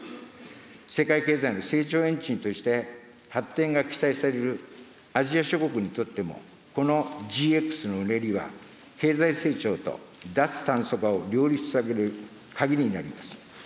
世界経済の成長エンジンとして発展が期待されるアジア諸国にとっても、このＧＸのうねりは、経済成長と脱炭素化を両立させる鍵になります。